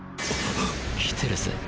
きてるぜ。